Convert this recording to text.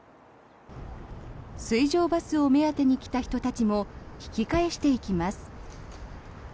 水上バスを目当てに来た人たちも引き返していきます。